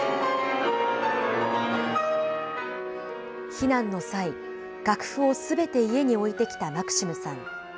避難の際、楽譜をすべて家に置いてきたマクシムさん。